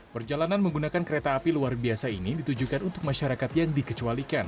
perjalanan menggunakan kereta api luar biasa ini ditujukan untuk masyarakat yang dikecualikan